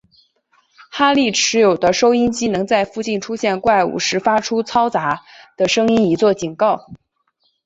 哈利持有的收音机能在附近出现怪物时发出嘈杂的声音以作警告。